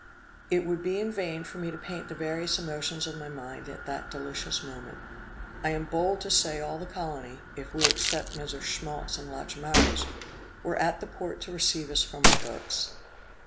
It would be in vain for me to paint the various emotions of my mind at that delicious moment. I am bold to say all the colony, if we accept MM. Schmaltz and Lachaumareys, were at the port to receive us from our boats.